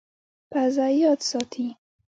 پزه یاد ساتي.